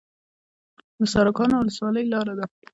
د سرکانو ولسوالۍ لاره ده